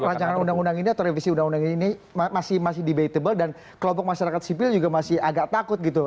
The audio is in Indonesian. karena rancangan undang undang ini atau revisi undang undang ini masih debatable dan kelompok masyarakat sipil juga masih agak takut gitu